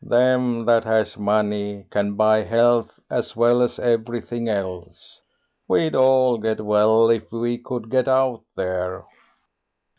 "Them that has money can buy health as well as everything else. We'd all get well if we could get out there."